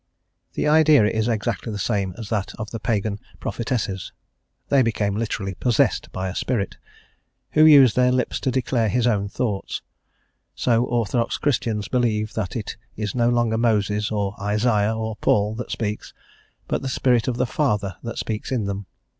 The idea is exactly the same as that of the Pagan prophetesses: they became literally possessed by a spirit, who used their lips to declare his own thoughts; so orthodox Christians believe that it is no longer Moses or Isaiah or Paul that speaks, but the Spirit of the Father that speaks in them.